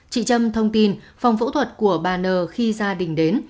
chị trâm thông tin phòng phẫu thuật của bà n khi gia đình đến